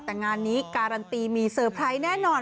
แต่งานนี้การันตีมีเซอร์ไพรส์แน่นอน